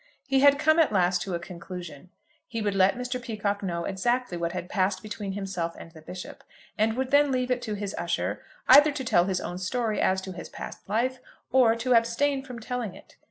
He had come at last to a conclusion. He would let Mr. Peacocke know exactly what had passed between himself and the Bishop, and would then leave it to his usher either to tell his own story as to his past life, or to abstain from telling it.